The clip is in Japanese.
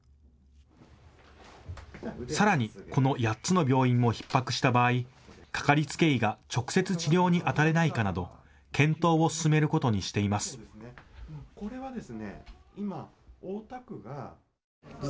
さらにこの８つの病院もひっ迫した場合、かかりつけ医が直接治療にあたれないかなど検討を進めることにしています。